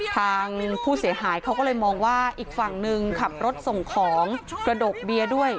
ทางผู้เสียหายเขาก็เลยมองว่าอีกฝั่งหนึ่งขับรถส่งของกระดกเบียร์ด้วย